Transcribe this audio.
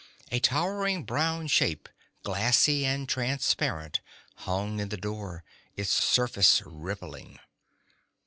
A towering brown shape, glassy and transparent, hung in the door, its surface rippling.